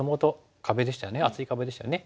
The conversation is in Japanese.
厚い壁でしたよね。